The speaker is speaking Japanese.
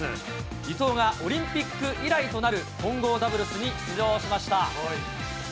伊藤がオリンピック以来となる混合ダブルスに出場しました。